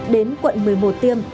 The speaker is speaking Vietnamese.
đến quận một mươi một tiêm